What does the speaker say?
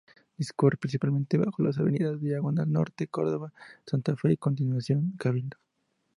Discurre principalmente bajo las avenidas Diagonal Norte, Córdoba, Santa Fe, y su continuación, Cabildo.